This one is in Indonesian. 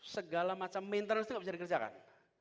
segala macam maintenance itu tidak bisa dikerjakan